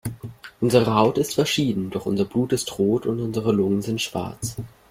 Unsere Haut ist verschieden, doch unser Blut ist rot und unsere Lungen sind schwarz.